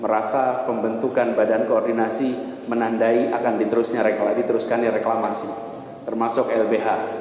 merasa pembentukan badan koordinasi menandai akan diteruskannya reklamasi termasuk lbh